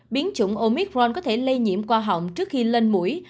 biến chủng omicron có thể lây nhiễm qua họng trước khi lên mũi